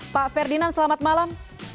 pak ferdinand selamat malam